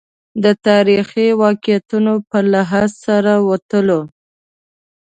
د تاریخي واقعیتونو په لحاظ سره وتلو.